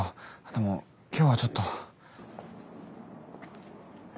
でも今日はちょっと。え？